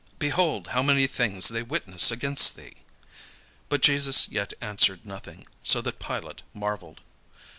Behold how many things they witness against thee." But Jesus yet answered nothing; so that Pilate marvelled.